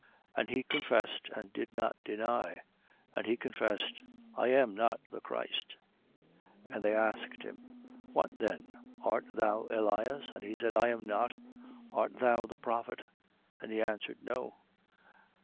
1:20. And he confessed and did not deny: and he confessed: I am not the Christ. 1:21. And they asked him: What then? Art thou Elias? And he said: I am not. Art thou the prophet? And he answered: No.